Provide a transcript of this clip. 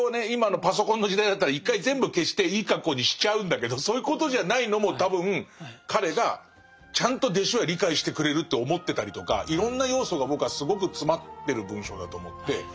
今のパソコンの時代だったら一回全部消していい格好にしちゃうんだけどそういうことじゃないのも多分彼がちゃんと弟子は理解してくれるって思ってたりとかいろんな要素が僕はすごく詰まってる文章だと思って。